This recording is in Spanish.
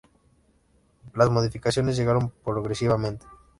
Las modificaciones llegaron progresivamente.